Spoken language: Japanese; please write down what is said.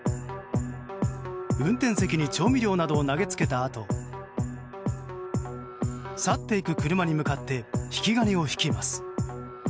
運転席に調味料などを投げつけたあと去っていく車に向かって引き金を引きます。